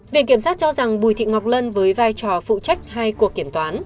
viện kiểm sát cho rằng bùi thị ngọc lân với vai trò phụ trách hai cuộc kiểm toán